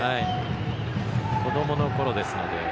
子どものころですので。